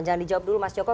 jangan dijawab dulu mas joko